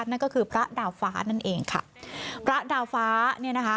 นั่นก็คือพระดาวฟ้านั่นเองค่ะพระดาวฟ้าเนี่ยนะคะ